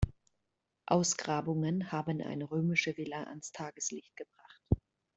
Ausgrabungen haben eine römische Villa ans Tageslicht gebracht.